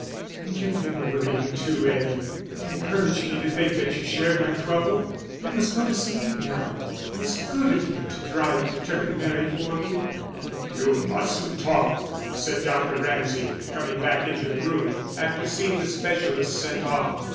"And you've been worrying too, Eddie. It encouraged me to think that you shared my trouble. You must go to sleep now. It was good of you to drive to Tercanbury for me." "You mustn't talk," said Dr. Ramsay, coming back into the room, after seeing the specialist sent off.